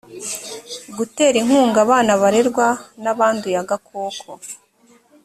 gutera inkunga abana barerwa n abanduye agakoko